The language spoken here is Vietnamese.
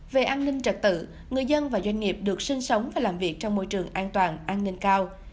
về an ninh trật tự người dân và doanh nghiệp được sinh sống và làm việc trong môi trường an toàn an ninh cao